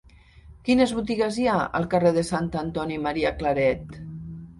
Quines botigues hi ha al carrer de Sant Antoni Maria Claret?